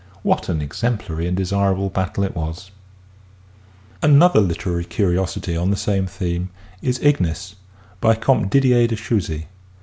What an exemplary and desirable battle it was ! Another literary curiosity on the same theme is " Ignis " by Comte Didier de Chousy.